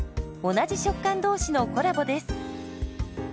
同じ食感同士のコラボです。